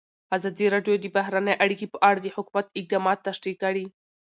ازادي راډیو د بهرنۍ اړیکې په اړه د حکومت اقدامات تشریح کړي.